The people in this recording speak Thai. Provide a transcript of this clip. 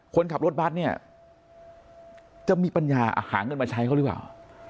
คนขับรถบัตรเนี่ยจะมีปัญญาหาเงินมาใช้เขาหรือเปล่า